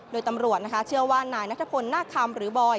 โดยตำรวจนะคะเชื่อว่านายนัทพลนาคคำหรือบอย